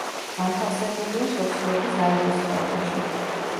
განთავსებულია ხევსურეთის არაგვის ხეობაში.